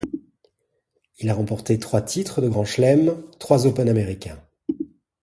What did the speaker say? Il a remporté trois titres du grand chelem, trois Open américain.